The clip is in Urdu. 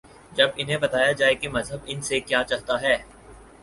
جب انہیں بتایا جائے کہ مذہب ان سے کیا چاہتا ہے۔